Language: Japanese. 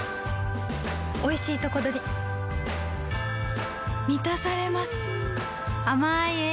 おいしいとこどりみたされます